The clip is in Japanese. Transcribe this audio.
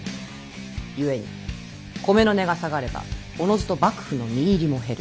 故に米の値が下がればおのずと幕府の実入りも減る。